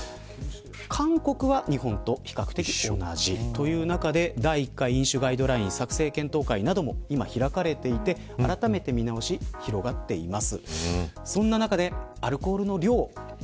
韓国は日本と比較的同じという中で第１回飲酒ガイドライン作成検討会なども今、開かれていてあらためて見直しが広がっています。